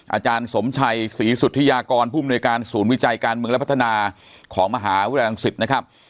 อาจารย์สมชัยศรีสุธิยากรผู้มนวยการศูนย์วิจัยการเมืองและพัฒนาของมหาวิทยาลังศิษย์นะครับ